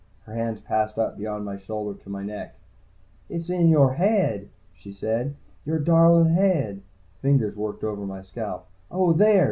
Her hands passed up beyond my shoulder, to my neck. "It's in yore haid," she said. "In yore darlin' haid!" Fingers worked over my scalp. "Oh, there!"